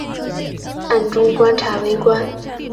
暗中观察围观